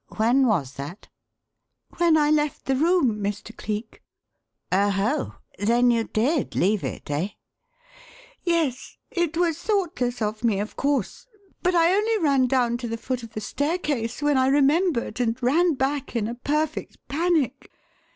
When was that?" "When I left the room, Mr. Cleek." "Oho! Then you did leave it, eh?" "Yes. It was thoughtless of me, of course; but I only ran down to the foot of the staircase, when I remembered, and ran back in a perfect panic.